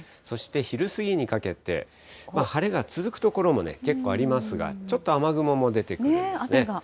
そして昼過ぎにかけて、晴れが続く所も結構ありますが、ちょっと雨雲も出てくるんですね。